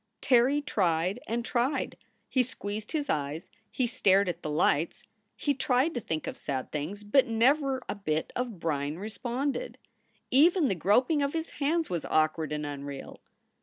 Terry tried and tried. He squeezed his eyes. He stared at the lights. He tried to think of sad things, but never a bit of brine responded. Even the groping of his hands was awkward and unreal.